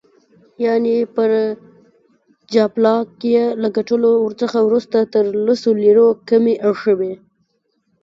یعني پر جاپلاک یې له ګټلو څخه وروسته تر لسو لیرو کمې ایښي وې.